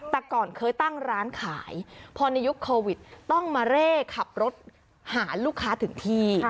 แต่ก่อนเคยตั้งร้านขายพอในยุคโควิดต้องมาเร่ขับรถหาลูกค้าถึงที่